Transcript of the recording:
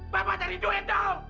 bapak cari duit dong